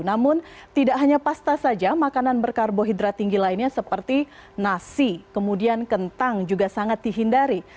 namun tidak hanya pasta saja makanan berkarbohidrat tinggi lainnya seperti nasi kemudian kentang juga sangat dihindari